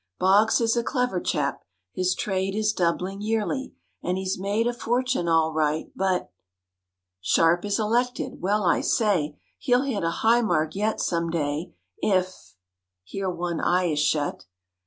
"Boggs is a clever chap. His trade Is doubling yearly, and he's made A fortune all right, but " "Sharp is elected. Well, I say! He'll hit a high mark yet, some day, If " (here one eye is shut).